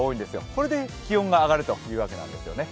これで気温が上がるというわけなんですよね。